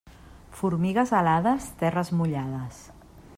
Formigues alades, terres mullades.